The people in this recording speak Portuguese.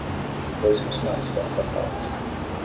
Dois funcionários foram afastados